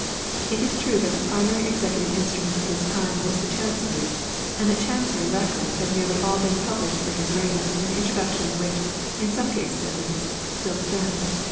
It is true that the primary executive instrument of his time was the Chancery and that the Chancery Records have nearly all 1 been published for his reign with Introductions which, in some cases at least, 2 still stand.